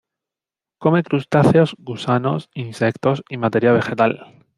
Come crustáceos, gusanos, insectos y materia vegetal.